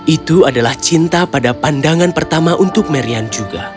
itu adalah cinta pada pandangan pertama untuk marian juga